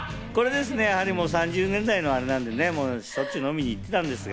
３０年来のアレなんで、しょっちゅう飲みに行ってたんですが。